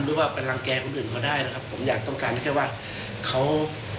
หรือว่าไปรังแก่คนอื่นก็ได้นะครับผมอยากต้องการแค่ว่าเขา